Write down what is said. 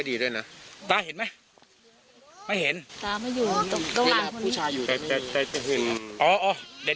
สุดท้ายบ้าง